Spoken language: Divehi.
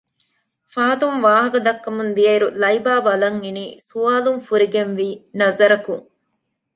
ފާތުން ވާހަކަ ދައްކަމުންދިޔައިރު ލައިބާ ބަލަންއިނީ ސުވާލުން ފުރިގެންވީ ނަޒަރަކުން